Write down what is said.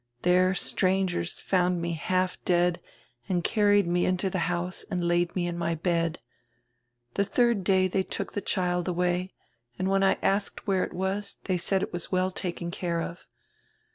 There strangers found me half dead and carried me into the house and laid me in my bed. The third day diey took die child away and when I asked where it was they said it was well taken care of.